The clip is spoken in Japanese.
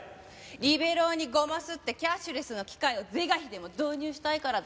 リベロウにゴマすってキャッシュレスの機械を是が非でも導入したいからだよ。